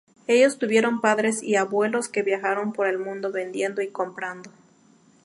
Ellos tuvieron padres y abuelos que viajaron por el mundo vendiendo y comprando.